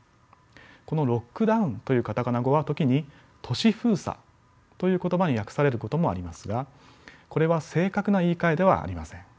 このロックダウンというカタカナ語は時に都市封鎖という言葉に訳されることもありますがこれは正確な言いかえではありません。